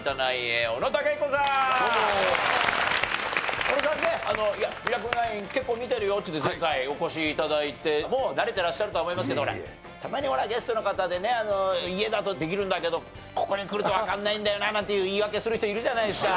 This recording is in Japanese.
小野さんね『ミラクル９』結構見てるよっていって前回お越し頂いてもう慣れてらっしゃるとは思いますけどたまにほらゲストの方でね家だとできるんだけどここに来るとわかんないんだよななんていう言い訳する人いるじゃないですか。